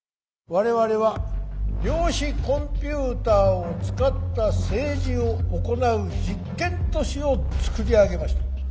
我々は量子コンピューターを使った政治を行う実験都市を造り上げました。